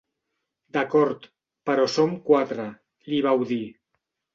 D'acord, però som quatre –li vau dir–.